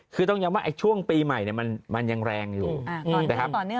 คือต้องย้ำว่าช่วงปีใหม่มันยังแรงอยู่นะครับ